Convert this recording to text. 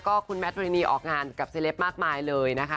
ก็คุณแมทพรินีออกงานกับเซลปมากมายเลยนะคะ